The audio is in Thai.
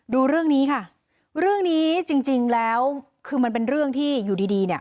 ดูเรื่องนี้ค่ะเรื่องนี้จริงแล้วคือมันเป็นเรื่องที่อยู่ดีดีเนี่ย